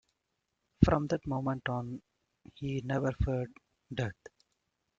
From that moment on he never feared death.